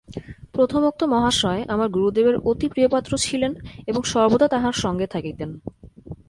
প্রথমোক্ত মহাশয় আমার গুরুদেবের অতি প্রিয়পাত্র ছিলেন এবং সর্বদা তাঁহার সঙ্গে থাকিতেন।